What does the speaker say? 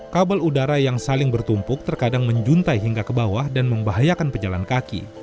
kabel udara yang saling bertumpuk terkadang menjuntai hingga ke bawah dan membahayakan pejalan kaki